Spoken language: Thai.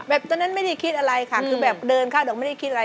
ตอนนั้นไม่ได้คิดอะไรค่ะคือแบบเดินเข้าแต่ไม่ได้คิดอะไร